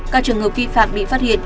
các trường hợp vi phạm bị phát hiện